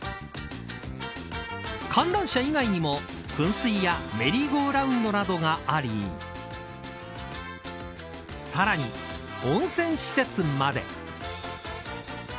観覧車以外にも噴水やメリーゴーラウンドなどがありさらに、温泉施設まで。